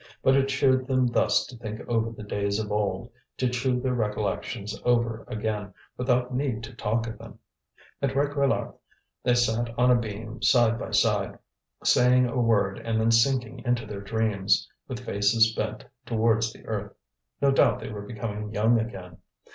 But it cheered them thus to think over the days of old, to chew their recollections over again without need to talk of them. At Réquillart they sat on a beam side by side, saying a word and then sinking into their dreams, with faces bent towards the earth. No doubt they were becoming young again.